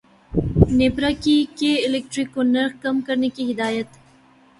نیپرا کی کے الیکٹرک کو نرخ کم کرنے کی ہدایت